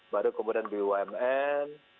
baru kemudian di umn